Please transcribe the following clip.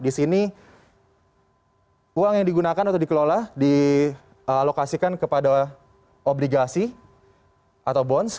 di sini uang yang digunakan atau dikelola dialokasikan kepada obligasi atau bonds